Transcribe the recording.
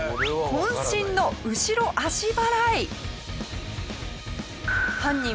渾身の後ろ足払い！